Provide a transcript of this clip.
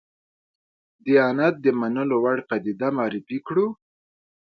دیانت د منلو وړ پدیده معرفي کړو.